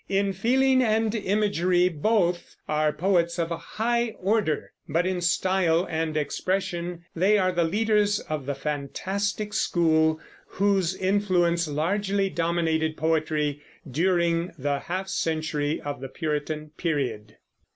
In feeling and imagery both are poets of a high order, but in style and expression they are the leaders of the fantastic school whose influence largely dominated poetry during the half century of the Puritan period.